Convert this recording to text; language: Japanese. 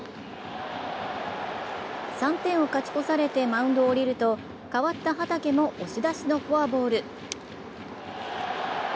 ３点を勝ち越されてマウンドを降りると代わった畠も押し出しのフォアボール。